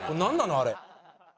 あれ。